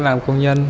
làm công nhân